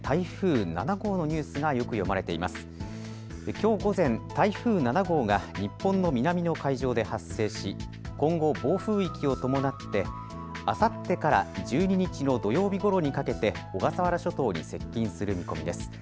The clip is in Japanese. きょう午前、台風７号が日本の南の海上で発生し今後、暴風域を伴ってあさってから１２日の土曜日ごろにかけて小笠原諸島に接近する見込みです。